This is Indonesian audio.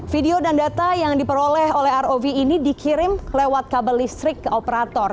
video dan data yang diperoleh oleh rov ini dikirim lewat kabel listrik ke operator